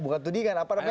bukan tudingan apa namanya